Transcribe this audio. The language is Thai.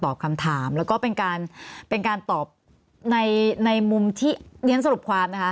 คำถามแล้วก็เป็นการเป็นการตอบในในมุมที่เรียนสรุปความนะคะ